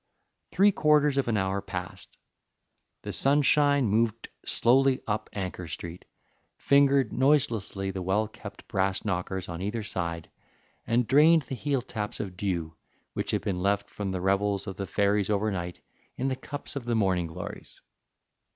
Three quarters of an hour passed. The sunshine moved slowly up Anchor Street, fingered noiselessly the well kept brass knockers on either side, and drained the heeltaps of dew which had been left from the revels of the fairies overnight in the cups of the morning glories.